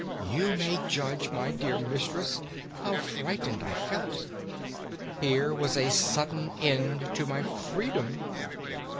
"You may judge, my dear mistress, how frightened I felt. Here was a sudden end to my freedom!